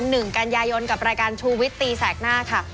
หนึ่งกันยายนกับรายการชูวิตตีแสกหน้าค่ะ